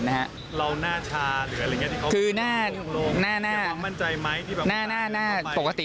เราหน้าชาหรืออะไรอย่างนี้ที่เขาบอกโลก